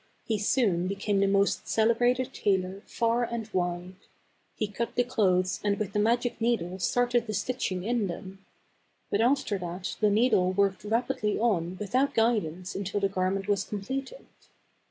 He soon became the most celebrated tailor, far and wide. He cut the clothes and with the magic needle started the stitching in them. But after that the needle worked rapidly on with out guidance until the garment was completed.